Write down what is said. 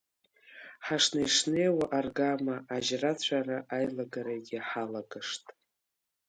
Ҳашнеи-шнеиуа аргама ажьра-цәара аилагарагьы ҳалагашт…